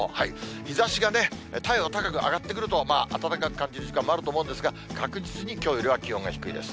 日ざしがね、太陽、高く上がってくると、暖かく感じる時間もあると思うんですが、確実にきょうよりは気温が低いです。